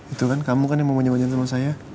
itu kan kamu yang mau manja manjain sama saya